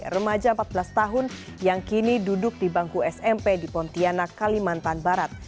remaja empat belas tahun yang kini duduk di bangku smp di pontianak kalimantan barat